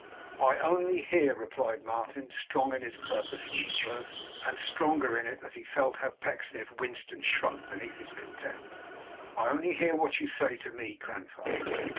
'I only hear,' replied Martin, strong in his purpose from the first, and stronger in it as he felt how Pecksniff winced and shrunk beneath his contempt; 'I only hear what you say to me, grandfather.